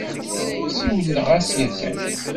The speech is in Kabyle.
Siwleɣ-as yakan.